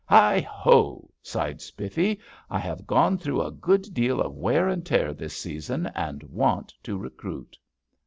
Heigho!" sighed Spiffy, "I have gone through a good deal of wear and tear this season, and want to recruit."